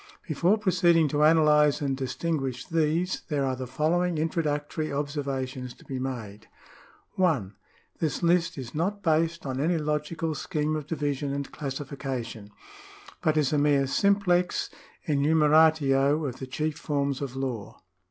Before proceeding to analyse and distinguish these, there are the following introductory observations to be made :— (1) This list is not based on any logical scheme of division and classification, but is a mere simplex enumeratio of the chief forms of law.